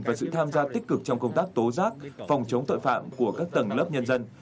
và sự tham gia tích cực trong công tác tố giác phòng chống tội phạm của các tầng lớp nhân dân